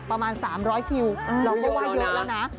ประมาณ๓๐๐คิวเราก็ว่าเยอะแล้วนะ